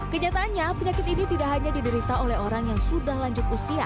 kenyataannya penyakit ini tidak hanya diderita oleh orang yang sudah lanjut usia